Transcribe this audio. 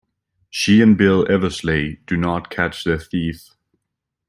She and Bill Eversleigh do not catch the thief.